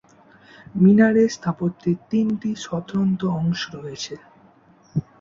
মিনারের স্থাপত্যে তিনটি স্বতন্ত্র অংশ রয়েছে।